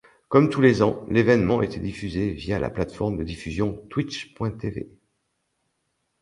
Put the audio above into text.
Comme tous les ans, l’événement était diffusé via la plateforme de diffusion Twitch.tv.